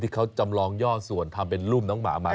เขาจำลองย่อส่วนทำเป็นรุ่มน้องหมามา